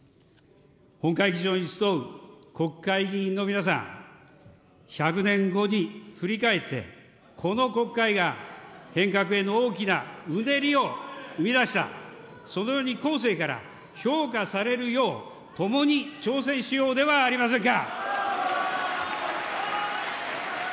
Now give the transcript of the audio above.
本会議場に集う国会議員の皆さん、１００年後に振り返って、この国会が変革への大きなうねりを生み出した、そのように後世から評価されるよう、共に挑戦しようではありませんか。